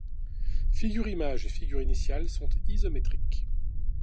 Figure image et figure initiale sont isométriques.